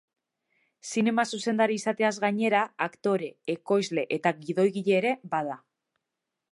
Zinema-zuzendari izateaz gainera, aktore, ekoizle eta gidoigile ere bada.